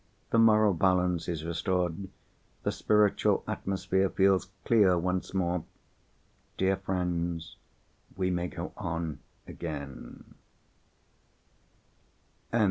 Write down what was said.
The moral balance is restored; the spiritual atmosphere feels clear once more. Dear friends, we may go on again.